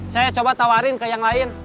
saya coba tawarin ke yang lain